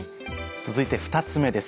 続いて２つ目です。